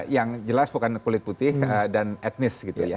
yang jelas bukan kulit putih dan etnis gitu ya